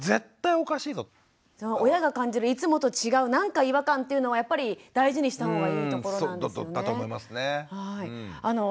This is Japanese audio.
親が感じるいつもと違うなんか違和感っていうのはやっぱり大事にしたほうがいいところなんですね。